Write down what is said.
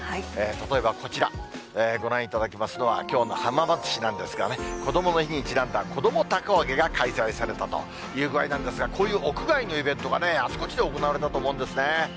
例えばこちら、ご覧いただきますのは、きょうの浜松市なんですがね、こどもの日にちなんだ子どもたこ揚げが開催されたという具合なんですが、こういう屋外のイベントがあちこちで行われたと思うんですね。